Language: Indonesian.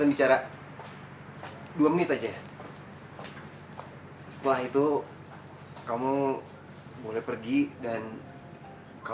dan sekarang lo mesti terima harganya